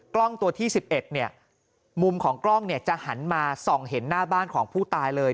กล้องตัวที่๑๑มุมของกล้องจะหันมาส่องเห็นหน้าบ้านของผู้ตายเลย